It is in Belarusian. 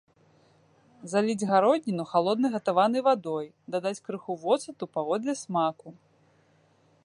Заліць гародніну халоднай гатаванай вадой, дадаць крыху воцату паводле смаку.